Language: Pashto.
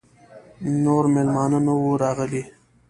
نور مېلمانه نه وه راغلي.